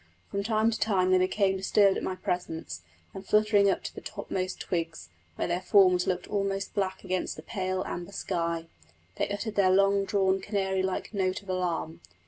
From time to time they became disturbed at my presence, and fluttering up to the topmost twigs, where their forms looked almost black against the pale amber sky, they uttered their long drawn canary like note of alarm.